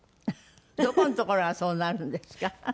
どこのところがそうなるんですか？